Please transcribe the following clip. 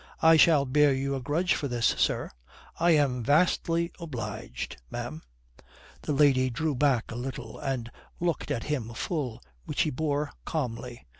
"I shall bear you a grudge for this, sir." "I am vastly obliged, ma'am." The lady drew back a little and looked at him full, which he bore calmly.